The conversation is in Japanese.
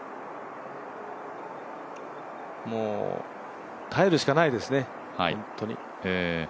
もう耐えるしかないですね、ホントに。